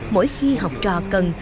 mỗi khi học trò cần